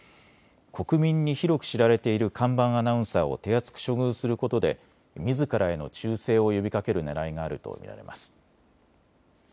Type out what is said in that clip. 国民に広く知られている看板アナウンサーを手厚く処遇することでみずからへの忠誠を呼びかけるねらいがあると見られます。